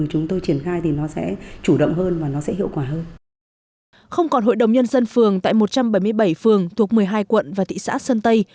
không còn hội đồng nhân dân phường tại một trăm bảy mươi bảy phường thuộc một mươi hai quận và thị xã sơn tây